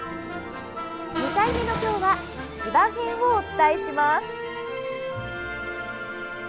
２回目の今日は千葉編をお伝えします。